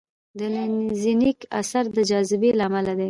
د لینزینګ اثر د جاذبې له امله دی.